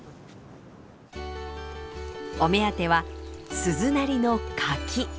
お目当ては鈴なりの柿！